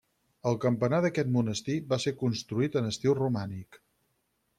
El campanar d'aquest monestir va ser construït en estil romànic.